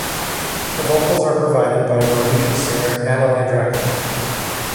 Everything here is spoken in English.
The vocals are provided by Norwegian singer Anneli Drecker.